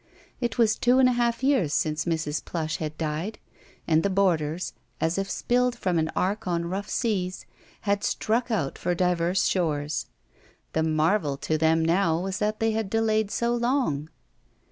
It was two and a half years since Mrs. Plush had died, and the boarders, as if spilled from an ark on rough seas, had struck out for diverse shores. The marvel to them now was that they had delayed so long.